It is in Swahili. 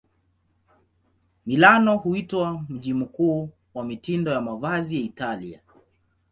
Milano huitwa mji mkuu wa mitindo ya mavazi ya Italia.